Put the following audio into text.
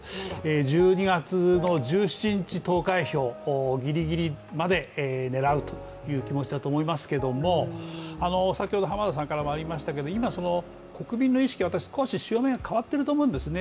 １２月の１７日投開票ギリギリまで狙うという気持ちだと思いますけれども今、国民の意識、少し潮目が変わっていると思うんですね。